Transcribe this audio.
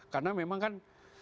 karena memang kan